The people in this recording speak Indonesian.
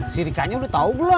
si rikanya lu tau belum